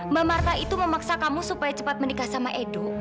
mbak marta itu memaksa kamu supaya cepat menikah sama edo